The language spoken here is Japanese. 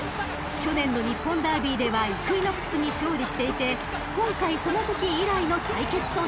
［去年の日本ダービーではイクイノックスに勝利していて今回そのとき以来の対決となるんです］